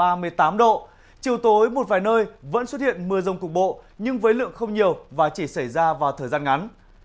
nhiệt độ cao nhất là ba mươi tám độ chiều tối một vài nơi vẫn xuất hiện mưa rông cục bộ nhưng với lượng không nhiều và chỉ xảy ra vào thời gian ngắn